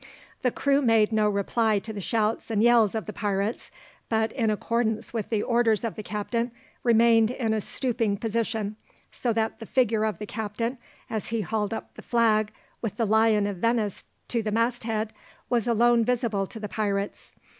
The crew made no reply to the shouts and yells of the pirates, but, in accordance with the orders of the captain, remained in a stooping position, so that the figure of the captain, as he hauled up the flag with the lion of Venice to the masthead, was alone visible to the pirates.